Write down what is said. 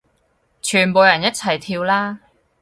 全部人一齊跳啦